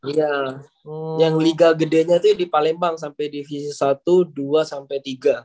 iya yang liga gedenya itu di palembang sampai divisi satu dua sampai tiga